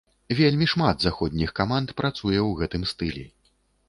Вельмі шмат заходніх каманд працуе ў гэтым стылі.